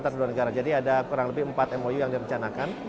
pembangunan delapan jasa kesehatan